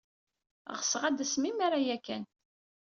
Ɣseɣ ad d-tasem imir-a ya kan.